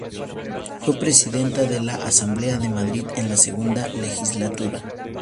Fue presidenta de la Asamblea de Madrid en la segunda legislatura.